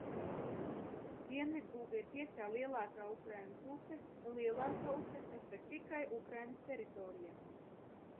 Dienvidbuga ir piektā lielākā Ukrainas upe un lielākā upe, kas tek tikai Ukrainas teritorijā.